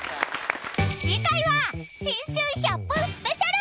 ［次回は新春１００分スペシャル！］